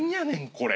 これ！